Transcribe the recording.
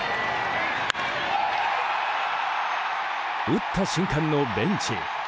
打った瞬間のベンチ。